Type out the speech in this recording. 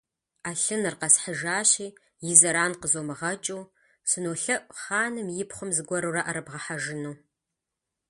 Ӏэлъыныр къэсхьыжащи, и зэран къызумыгъэкӀыу, сынолъэӀу, хъаным и пхъум зыгуэрурэ Ӏэрыбгъэхьэжыну.